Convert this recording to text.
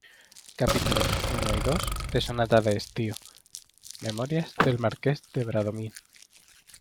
capítulos uno y dos de Sonata de Estío, Memorias del Marqués de Bradomín.